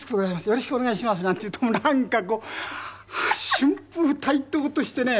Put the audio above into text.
「よろしくお願いします」なんて言うとなんかこう春風駘蕩としてね。ハハハハ。